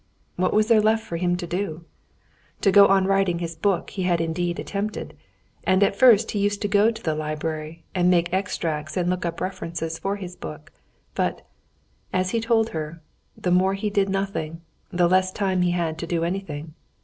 What was there left for him to do? To go on writing at his book he had indeed attempted, and at first he used to go to the library and make extracts and look up references for his book. But, as he told her, the more he did nothing, the less time he had to do anything.